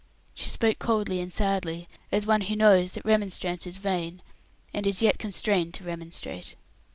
She spoke coldly and sadly, as one who knows that remonstrance is vain, and is yet constrained to remonstrate.